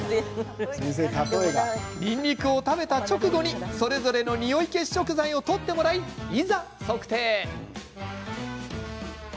にんにくを食べた直後にそれぞれの、におい消し食材をとってもらい、いざ測定。